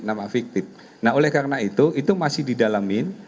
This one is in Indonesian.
nah oleh karena itu itu masih didalamin